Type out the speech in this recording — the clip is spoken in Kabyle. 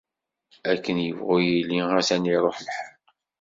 Akken yebɣu yili, atan iṛuḥ lḥal.